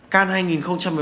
các công tác chuẩn bị